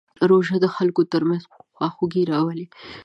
روژه د خلکو ترمنځ خواخوږي راولي.